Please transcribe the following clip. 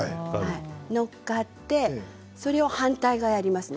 乗っかってそれを反対もやりますね。